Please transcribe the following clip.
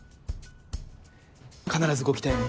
必ずご期待に。